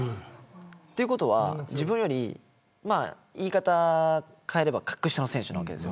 ということは自分より言い方を変えれば格下の選手のわけです。